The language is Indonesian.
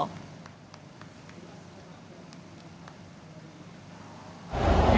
pilihan dari dpp dan dari dpp untuk mengambil kekuasaan yang lebih baik